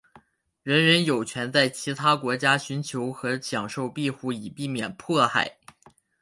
人人有权在其他国家寻求和享受庇护以避免迫害。